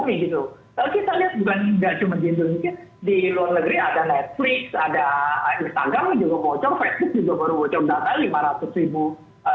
kalau kita lihat bukan cuma di indonesia di luar negeri ada netflix ada instagram juga bocor facebook juga baru bocor data